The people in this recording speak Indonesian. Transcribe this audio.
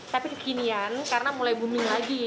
tapi kekinian karena mulai booming lagi